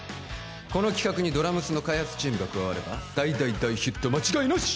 この企画にドラ娘の開発チームが加われば大大大ヒット間違いなし！